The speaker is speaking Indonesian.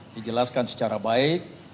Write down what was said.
dijelaskan secara baik